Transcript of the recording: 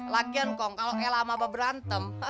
lagi lagi kong kalau ella sama abang berantem